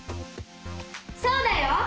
そうだよ！